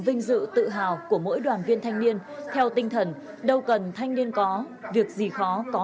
vinh dự tự hào của mỗi đoàn viên thanh niên theo tinh thần đâu cần thanh niên có việc gì khó có